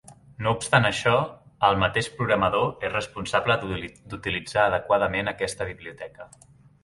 No obstant això, el mateix programador és responsable d'utilitzar adequadament aquesta biblioteca.